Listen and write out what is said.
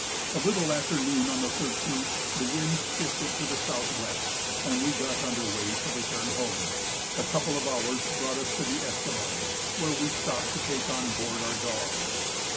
A little after noon on the 13th the wind shifted to the S.W., and we got under weigh to return home. A couple of hours brought us to the Esquimaux, where we stopped to take on board our dogs.